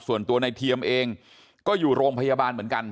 ส่วนตัวในเทียมเองก็อยู่โรงพยาบาลเหมือนกัน